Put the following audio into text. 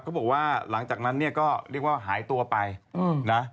เขาบอกว่าหลังจากนั้นเนี่ยก็เรียกว่าหายตัวไปนะ